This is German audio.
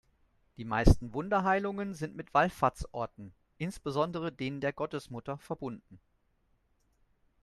Die meisten Wunderheilungen sind mit Wallfahrtsorten, insbesondere denen der Gottesmutter, verbunden.